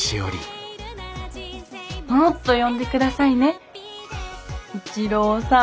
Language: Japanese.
もっと呼んで下さいね一郎さん。